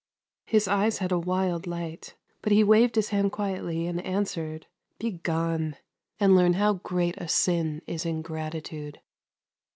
His eyes had a wild light, but he waved his hand quietly, and answered :" Begone, and learn how great a sin is ingratitude."